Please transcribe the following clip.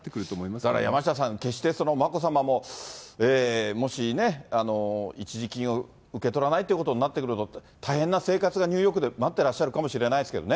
だから山下さん、決して眞子さまももしね、一時金を受け取らないということになってくると、大変な生活がニューヨークで待ってらっしゃるかもしれないですけどね。